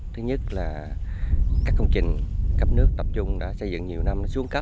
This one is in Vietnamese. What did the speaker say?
thứ nhất là các công trình cấp nước tập trung đã xây dựng nhiều năm xuống cấp